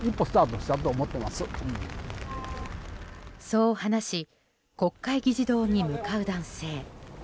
そう話し国会議事堂に向かう男性。